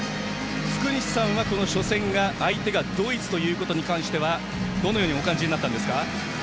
福西さんはこの初戦相手がドイツに関してはどのようにお感じになりますか？